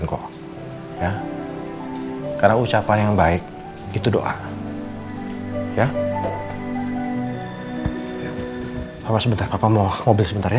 kok ya karena ucapan yang baik itu doa ya apa sebentar apa mau mobil sebentar ya